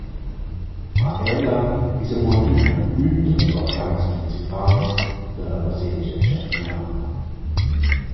Ma ella es amo adüna ün dals organs principals da la Baselgia chantunala.